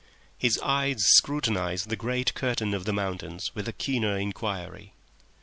. His eyes began to scrutinise the great curtain of the mountains with a keener inquiry.